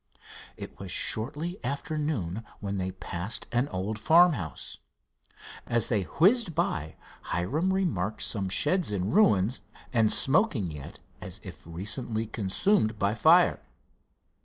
It was shortly after noon when they passed an old farmhouse. As they whizzed by, Hiram remarked some sheds in ruins, and smoking yet as if recently consumed by fire.